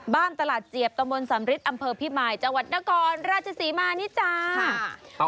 ตลาดเจียบตะมนต์สำริทอำเภอพิมายจังหวัดนครราชศรีมานี่จ้า